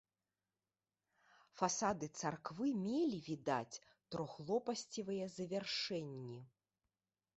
Фасады царквы мелі, відаць, трохлопасцевыя завяршэнні.